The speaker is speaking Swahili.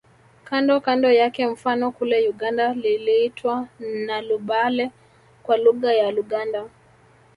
Kando kando yake mfano kule Uganda liliitwa Nnalubaale kwa lugha ya Luganda